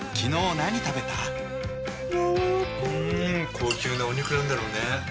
高級なお肉なんだろうね。